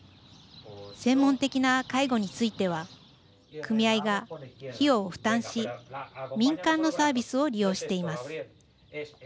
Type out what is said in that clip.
専門的な介護については組合が費用を負担し民間のサービスを利用しています。